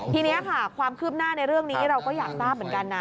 ทีนี้ค่ะความคืบหน้าในเรื่องนี้เราก็อยากทราบเหมือนกันนะ